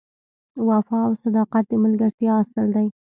وفا او صداقت د ملګرتیا اصل دی.